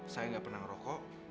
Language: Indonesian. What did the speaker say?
saya gak pernah ngerokok